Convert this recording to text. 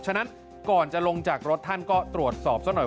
ฉะนั้นก่อนจะลงจากรถท่านก็ตรวจสอบซะหน่อย